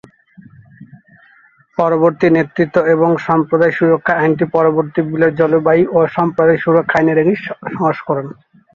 জলবায়ু নেতৃত্ব এবং সম্প্রদায় সুরক্ষা আইনটি পূর্ববর্তী বিলের জলবায়ু ও সম্প্রদায় সুরক্ষা আইনের একটি সংস্করণ।